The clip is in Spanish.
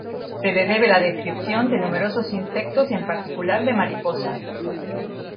Se le debe la descripción de numerosos insectos y en particular de mariposas.